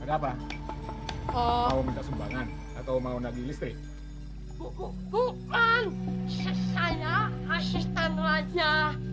ada apa oh minta sumbangan atau mau lagi listrik bukan saya asistan raja